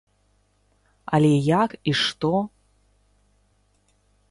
Але як і што?